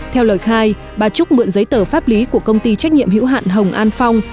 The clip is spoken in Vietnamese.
theo lời khai bà trúc mượn giấy tờ pháp lý của công ty trách nhiệm hữu hạn hồng an phong